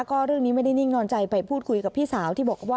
ก็เรื่องนี้ไม่ได้นิ่งนอนใจไปพูดคุยกับพี่สาวที่บอกว่า